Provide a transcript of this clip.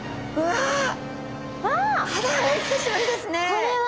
これは！